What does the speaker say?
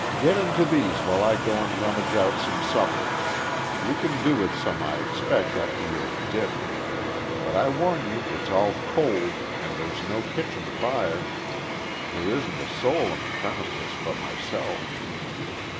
"Get into these while I go and rummage out some supper. You can do with some I expect after your `dip.' But I warn you it's all cold, and there's no kitchen fire. There isn't a soul on the premises but myself."